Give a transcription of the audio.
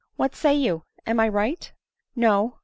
What say you? Am I right?" " No."